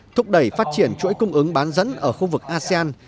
thúc đẩy phát triển chuỗi cung ứng bán dẫn ở khu vực asean